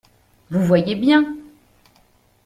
Vous voyez bien.